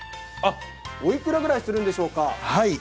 おいくらぐらいするんでしょうか？